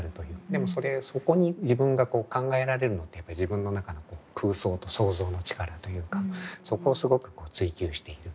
でもそれそこに自分が考えられるのって自分の中の空想と創造の力というかそこをすごく追求している。